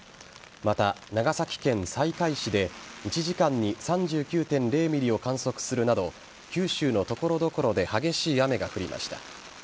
また、長崎県西海市で１時間に３９．０ｍｍを観測するなど九州の所々で激しい雨が降りました。